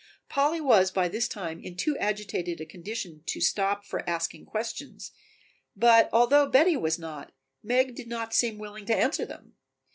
Polly was by this time in too agitated a condition to stop for asking questions, but although Betty was not, Meg did not seem willing to answer them.